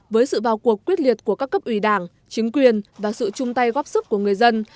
với sự vào cuộc quyết liệt của các cấp ủy đảng chính quyền và sự chung tay góp sức của người dân